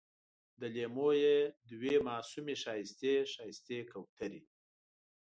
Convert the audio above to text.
د لېمو یې دوې معصومې ښایستې، ښایستې کوترې